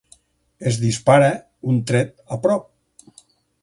Es dispara un tret a prop.